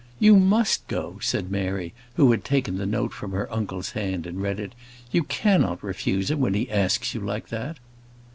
"You must go," said Mary, who had taken the note from her uncle's hand, and read it. "You cannot refuse him when he asks you like that."